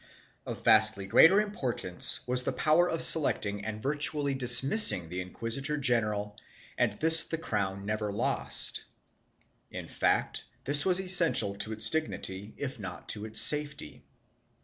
4 Of vastly greater importance was the power of selecting and virtually dismissing the inquisitor general and this the crown never lost. In fact this was essential to its dignity, if not to its safety.